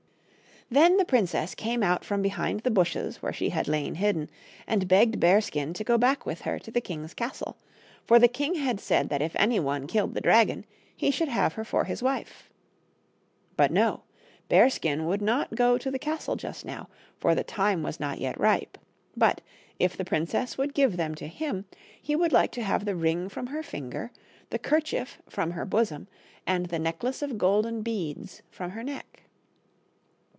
Then the princess came out from behind the bushes where she had lain hidden, and begged Bearskin to go back with her to the king's castle, for the king had said that if any one killed the dragon he should have her for his wife. But no ; Bearskin would not go to the castle just now, for the time 8 BEARSKIN. was not yet ripe ; but, if the princess would give them to him, he would like to have the ring from her finger, the kerchief from her bosom, and the neck lace of golden beads from her neck.